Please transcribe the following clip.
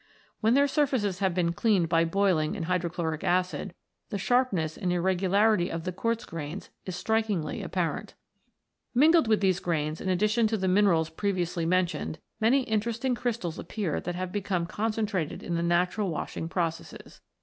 When their surfaces have been cleaned by boiling in hydrochloric acid, the sharpness and irregularity of the quartz grains is strikingly apparent. Mingled with these grains, in addition to the minerals previously mentioned, many interesting crystals appear that have become concentrated in the natural washing processes.